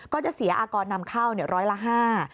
ก็จะเสียอากรนำเข้า๑๐๐ละ๕